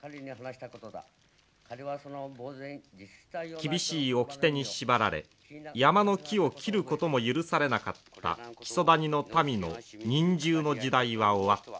厳しい掟に縛られ山の木を切ることも許されなかった木曽谷の民の忍従の時代は終わった。